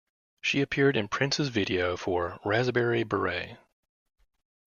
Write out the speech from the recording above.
She appeared in Prince's video for "Raspberry Beret".